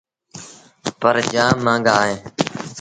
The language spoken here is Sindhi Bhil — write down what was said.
پر جآم مآݩگآ اهيݩ ۔